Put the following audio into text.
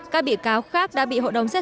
các bị cáo khác đã bị hội đồng xét